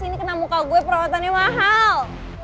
ini kena muka gue perawatannya mahal